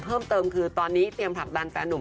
เพิ่มเติมคือตอนนี้เตรียมผลักดันแฟนนุ่ม